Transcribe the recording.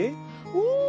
お！